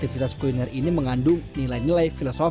lebih jauh lagi aktivitas kuliner ini mengandung nilai nilai filosofis